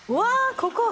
ここ！